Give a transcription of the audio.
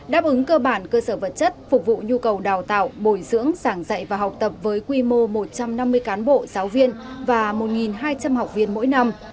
đáp ứng cơ bản cơ sở vật chất phục vụ nhu cầu đào tạo bồi dưỡng sảng dạy và học tập với quy mô một trăm năm mươi cán bộ giáo viên và một hai trăm linh học viên mỗi năm